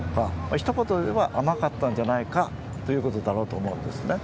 一言では甘かったんじゃないかということだろうと思うんです。